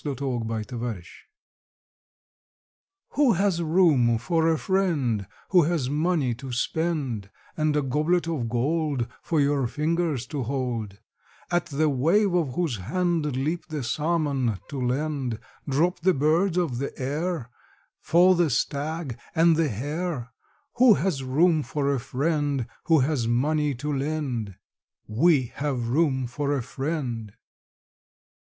A FRIEND IN NEED Who has room for a friend Who has money to spend, And a goblet of gold For your fingers to hold, At the wave of whose hand Leap the salmon to land, Drop the birds of the air, Fall the stag and the hare. Who has room for a friend Who has money to lend? We have room for a friend!